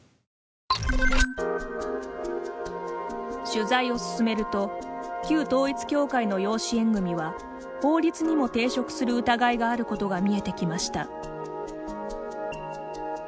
取材を進めると旧統一教会の養子縁組は法律にも抵触する疑いがあることが見えてきました。